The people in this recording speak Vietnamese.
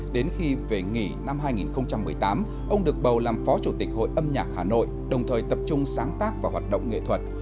đến khi về nghỉ năm hai nghìn một mươi tám ông được bầu làm phó chủ tịch hội âm nhạc hà nội đồng thời tập trung sáng tác và hoạt động nghệ thuật